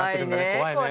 怖いね。